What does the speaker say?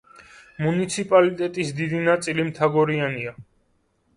მუნიციპალიტეტის დიდი ნაწილი მთაგორიანია.